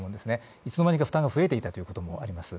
いつの間にか負担が増えていたということもあります。